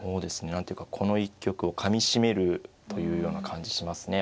何ていうかこの一局をかみしめるというような感じしますね。